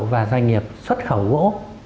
và doanh nghiệp xuất khẩu gỗ